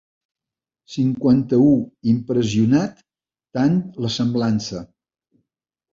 Cinquanta-u impressionat tant la semblança.